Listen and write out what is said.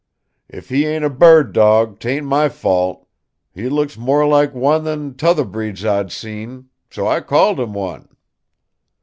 If he ain't a bird dawg, 'tain't my fault. He looks more like one than like 'tother breeds I'd seen. So I called him one."